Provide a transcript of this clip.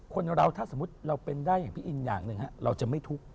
คนเราถ้าสมมุติเราเป็นได้อย่างพี่อินอย่างหนึ่งเราจะไม่ทุกข์